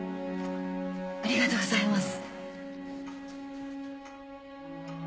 ありがとうございます